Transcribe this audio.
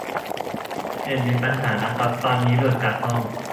เน็ตมีปัญหานะครับ ตอนนี้หลุดจากห้อง